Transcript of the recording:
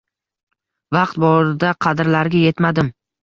Vaqt borida qadrlariga yetmadim.